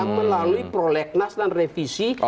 melalui prolegnas dan revisi